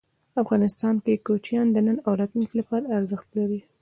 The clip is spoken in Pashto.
افغانستان کې کوچیان د نن او راتلونکي لپاره ارزښت لري.